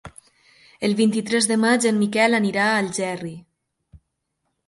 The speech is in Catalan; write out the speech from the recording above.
El vint-i-tres de maig en Miquel anirà a Algerri.